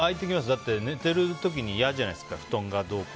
だって、寝てる時に嫌じゃないですか